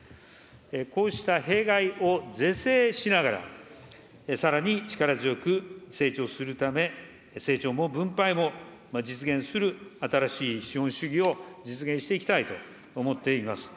こうした弊害を是正しながら、さらに力強く成長するため、成長も分配も実現する、新しい資本主義を実現していきたいと思っています。